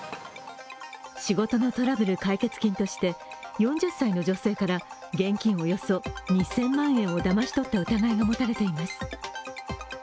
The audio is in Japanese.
仕事のトラブル解決金として４０歳の女性から現金およそ２０００万円をだまし取った疑いが持たれています。